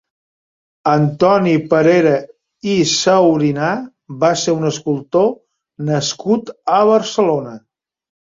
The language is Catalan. Antoni Parera i Saurina va ser un escultor nascut a Barcelona.